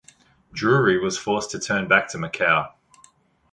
Drury was forced to turn back to Macao.